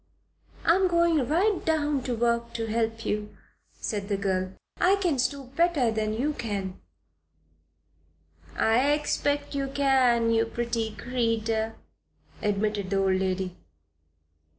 "I am going right to work to help you," said the girl. "I can stoop better than you can." "I expect you can, you pretty creeter," admitted the old lady.